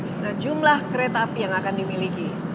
ada jumlah kereta api yang akan dimiliki